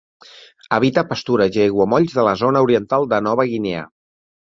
Habita pastures i aiguamolls de la zona oriental de Nova Guinea.